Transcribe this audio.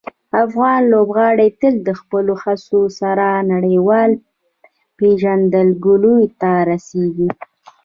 افغان لوبغاړي تل د خپلو هڅو سره نړیوالې پېژندګلوۍ ته رسېږي.